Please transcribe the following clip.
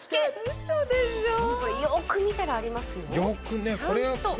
よく見たらありますよ。